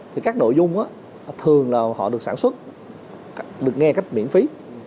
thì các nội dung thường là họ được sản xuất được nghe cách miễn phí